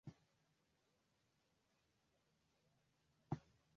hiyo itakuwa rahisi kwa maana watakuwa wanatumia